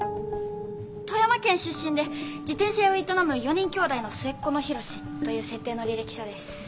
「富山県出身で自転車屋を営む４人兄弟の末っ子のヒロシ」という設定の履歴書です。